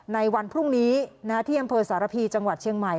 ในวันพรุ่งนี้ที่อำเภอสารพีจังหวัดเชียงใหม่